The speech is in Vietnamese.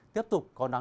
tiếp tục có nắng nóng